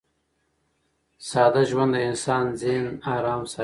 ساده ژوند د انسان ذهن ارام ساتي.